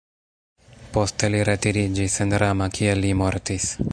Poste li retiriĝis en Rama kie li mortis.